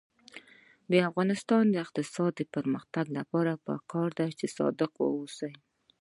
د افغانستان د اقتصادي پرمختګ لپاره پکار ده چې صادق اوسو.